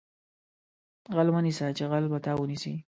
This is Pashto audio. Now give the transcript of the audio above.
غل مه نیسه چې غل به تا ونیسي